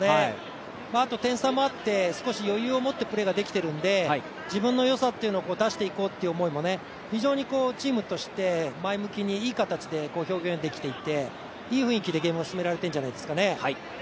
あと点差もあって少し余裕を持ってプレーができているので自分のよさっていうのを出していこうっていう思いも非常にチームとして、前向きにいい形で表現できていていい雰囲気でゲームを進められてるんじゃないですかね。